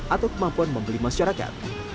atau kemampuan membeli masyarakat